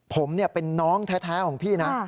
ผมเป็นน้องแท้ของพี่นะ